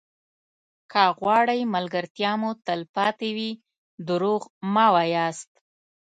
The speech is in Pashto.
که غواړئ ملګرتیا مو تلپاتې وي دروغ مه وایاست.